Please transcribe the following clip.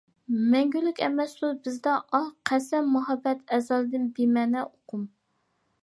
مەڭگۈلۈك ئەمەستۇر بىزدە ئاھ، قەسەم، مۇھەببەت ئەزەلدىن بىمەنە ئوقۇم!